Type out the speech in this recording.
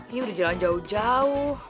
ini udah jalan jauh jauh